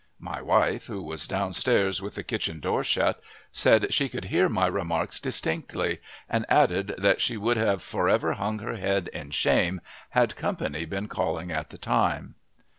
My wife, who was downstairs with the kitchen door shut, said she could hear my remarks distinctly, and added that she would have forever hung her head in shame had company been calling at the time.